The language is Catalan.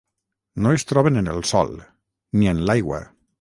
No es troben en el sòl, ni en l'aigua.